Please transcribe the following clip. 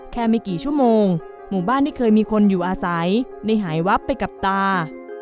ไม่กี่ชั่วโมงหมู่บ้านที่เคยมีคนอยู่อาศัยได้หายวับไปกับตา